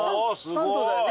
３頭だよね。